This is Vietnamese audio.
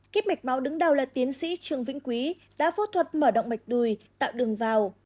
kíp mạch máu đứng đầu là tiến sĩ trương vĩnh quý đã phẫu thuật mở động mạch đùi tạo đường vào